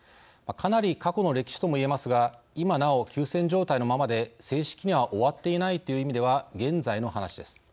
かなり過去の歴史ともいえますが今なお休戦状態のままで正式には終わっていないという意味では現在の話です。